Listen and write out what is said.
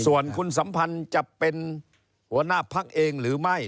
ส่วนคุณสัมพันธ์จะเป็นหัวหน้าพักเองหรือไม่